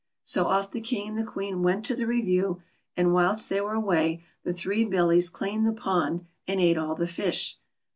So off the King and the Queen went to the review ; and whilst they were away the three Billies cleaned the pond — and ate ail tlie fish.